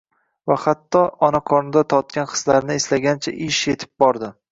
va hatto ona qornida totgan hislarini eslashgacha ish yetib bordi!